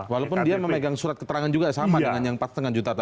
walaupun dia memegang surat keterangan juga sama dengan yang empat lima juta tadi